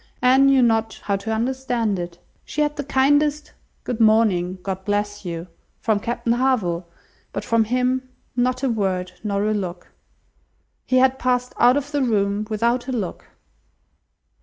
Anne knew not how to understand it. She had the kindest "Good morning, God bless you!" from Captain Harville, but from him not a word, nor a look! He had passed out of the room without a look!